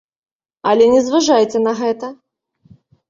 Але не зважайце на гэта.